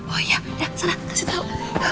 oh iya ya silah kasih tau